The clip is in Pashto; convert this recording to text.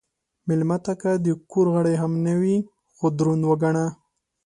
مېلمه ته که د کور غړی هم نه وي، خو دروند وګڼه.